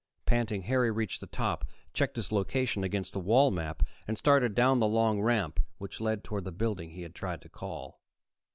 Panting, Harry reached the top, checked his location against a wall map, and started down the long ramp which led toward the building he had tried to call.